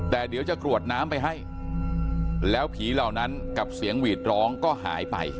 แต่เดี๋ยวจะกรวดน้ำไปให้แล้วผีเหล่านั้นกับเสียงหวีดร้องก็หายไป